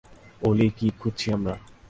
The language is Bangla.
ওলি, কী খুঁজছি আমরা?